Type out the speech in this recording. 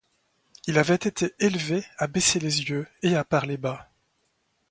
Il avait été élevé à baisser les yeux et à parler bas.